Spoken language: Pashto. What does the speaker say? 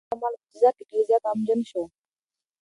سړی د خپلو اعمالو په جزا کې ډېر زیات غمجن شو.